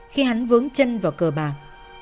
khi hắn vướng chân vào cờ bạc